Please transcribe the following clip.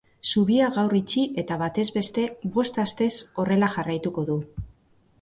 Zubia gaur itxi eta batez beste bost astez horrela jarraituko du.